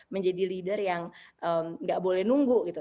menjadi leader yang nggak boleh nunggu gitu